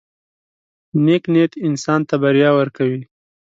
• نیک نیت انسان ته بریا ورکوي.